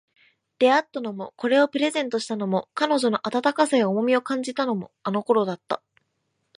出会ったのも、これをプレゼントしたのも、彼女の温かさや重みを感じたのも、あの頃だった